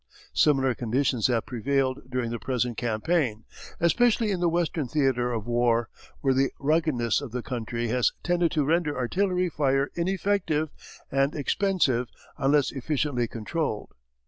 Similar conditions have prevailed during the present campaign, especially in the western theatre of war, where the ruggedness of the country has tended to render artillery fire ineffective and expensive unless efficiently controlled.